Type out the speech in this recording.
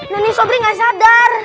nenek sobri gak sadar